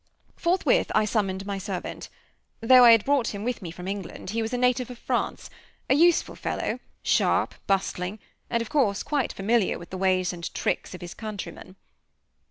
Forthwith I summoned my servant. Though I had brought him with me from England, he was a native of France a useful fellow, sharp, bustling, and, of course, quite familiar with the ways and tricks of his countrymen.